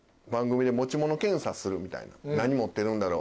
１回「何持ってるんだろう？